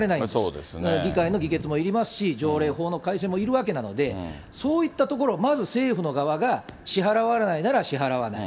議会の議決もいりますし、条例法の改正もいるわけなので、そういったところ、まず政府の側が支払わないなら支払わない。